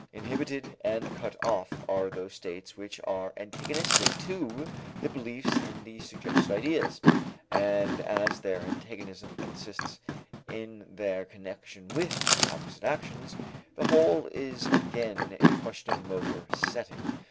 Inhibited and cut off are those states which are antagonistic to the beliefs in the suggested ideas, and as their antagonism consists in their connection with opposite actions, the whole is again a question of motor setting.